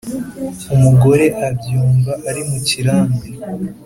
umugore abyumva ari mu kirambi